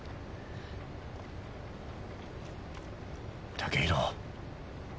剛洋。